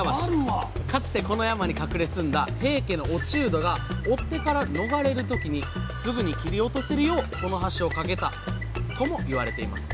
かつてこの山に隠れ住んだ平家の落人が追っ手から逃れる時にすぐに切り落とせるようこの橋を架けたとも言われています。